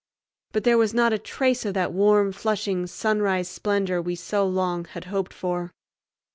But there was not a trace of that warm, flushing sunrise splendor we so long had hoped for.